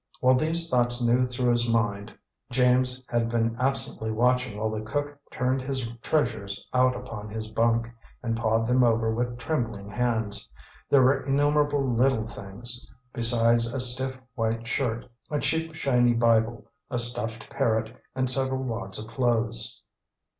While these thoughts new through his mind, James had been absently watching while the cook turned his treasures out upon his bunk, and pawed them over with trembling hands. There were innumerable little things, besides a stiff white shirt, a cheap shiny Bible, a stuffed parrot and several wads of clothes.